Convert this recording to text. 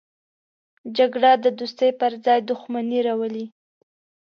جګړه د دوستۍ پر ځای دښمني راولي